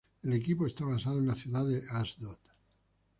El equipo está basado en la ciudad de Asdod.